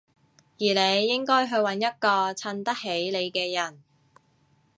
而你應該去搵一個襯得起你嘅人